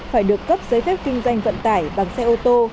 phải được cấp giấy phép kinh doanh vận tải bằng xe ô tô